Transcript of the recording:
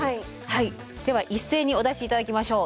では一斉にお出し頂きましょう。